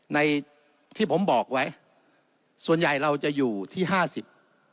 ในที่ผมบอกไว้ส่วนใหญ่เราจะอยู่ที่ห้าสิบ